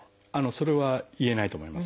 それは言えないと思います。